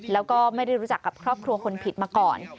แล้วก็ไม่ได้รู้จักกับครอบครัวคนผิดมาก่อน